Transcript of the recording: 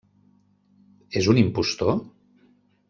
És un impostor?